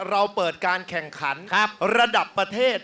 เราเปิดการแข่งขันระดับประเทศ